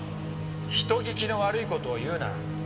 人聞きの悪い事を言うな。